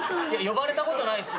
呼ばれたことないっす。